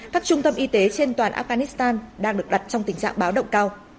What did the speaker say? các trung tâm y tế trên toàn afghanistan đang được đặt trong tình trạng báo động cao